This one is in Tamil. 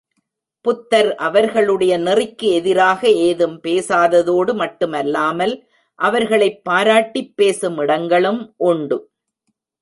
புத்தர் அவர்களுடைய நெறிக்கு எதிராக ஏதும் பேசாததோடு மட்டுமல்லாமல் அவர்களைப் பாராட்டிப் பேசும் இடங்களும் உண்டு.